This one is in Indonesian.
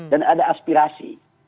dan ada aspirasi